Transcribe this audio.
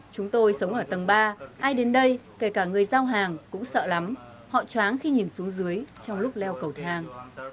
chúng tôi sống ở tầng ba ai đến đây kể cả người giao hàng cũng sợ lắm họ chóng khi nhìn xuống dưới trong lúc leo cầu thang